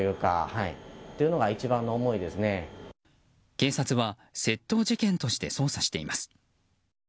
警察は、窃盗事件として捜査しています。